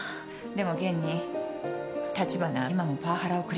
でも現に立花は今もパワハラを繰り返している。